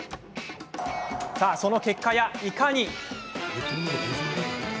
その結果やいかに。